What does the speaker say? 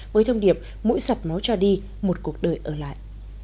với thông điệp mũi sọt máu cho đi một cuộc đời ở lại